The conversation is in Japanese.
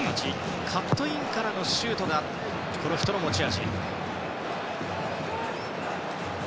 カットインからのシュートがラモスの持ち味。